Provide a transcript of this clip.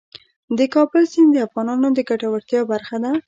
د کابل سیند د افغانانو د ګټورتیا برخه ده.